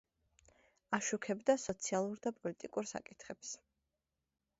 აშუქებდა სოციალურ და პოლიტიკურ საკითხებს.